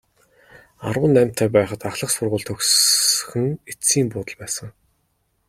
Арван наймтай байхад ахлах сургууль төгсөх нь эцсийн буудал байсан.